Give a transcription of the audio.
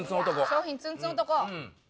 商品ツンツン男。